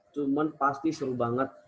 cuman pasti seru banget